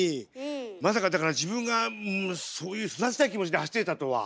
まさかだから自分がそういう育ちたい気持ちで走っていたとは。